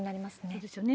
そうですよね。